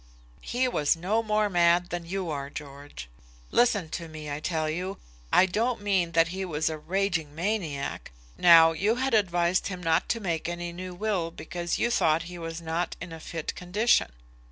"He was no more mad than you are, George." "Listen to me, I tell you. I don't mean that he was a raging maniac. Now, you had advised him not to make any new will because you thought he was not in a fit condition?"